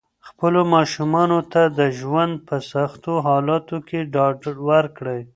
خپلو ماشومانو ته د ژوند په سختو حالاتو کې ډاډ ورکړئ.